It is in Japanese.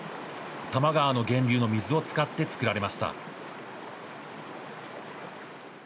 多摩川の源流の水を使って造られました。